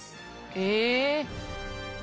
え！